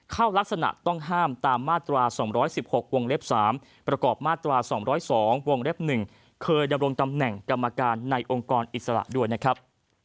ลักษณะต้องห้ามตามมาตรา๒๑๖วงเล็บ๓ประกอบมาตรา๒๐๒วงเล็บ๑เคยดำรงตำแหน่งกรรมการในองค์กรอิสระด้วยนะครับ